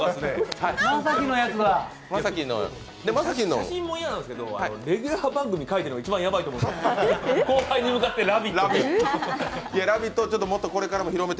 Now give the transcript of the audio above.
写真もいやなんですけど、レギュラー番組が書いてあるのが一番やばい後輩に向かってラヴィット！って。